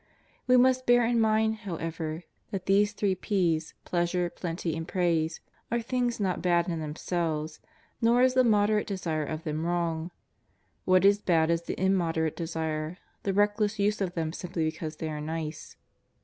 We must bear in mind, however, that these three p's — pleasure, plenty and praise — are things not bad in themselves, nor is the moderate desire of them wrong. What is bad is the immoderate desire, the reckless use of them simply because they are nice.